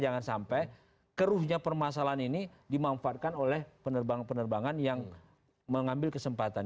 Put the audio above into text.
jangan sampai keruhnya permasalahan ini dimanfaatkan oleh penerbangan penerbangan yang mengambil kesempatan